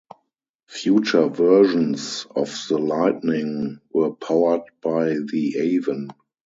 Future versions of the Lightning were powered by the Avon.